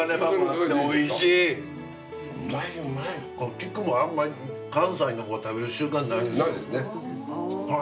菊もあんまり関西の方食べる習慣ないんですよ。